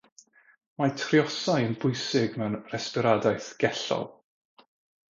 Mae triosau yn bwysig mewn resbiradaeth gellol.